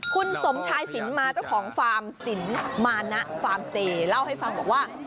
คุณสมชายสินมาเจ้าของฟาร์มสินมานะฟาร์มเซเล่าให้ฟังบอกว่า